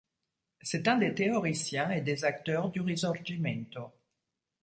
C'est un des théoriciens et des acteurs du Risorgimento.